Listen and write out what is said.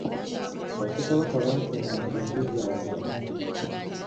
Bassekabaka baatuumanga enju zaabwe amannya.